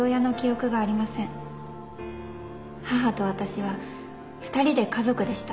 母と私は２人で家族でした。